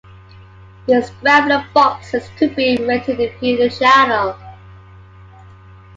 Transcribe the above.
Descrambler boxes could be rented to view the channel.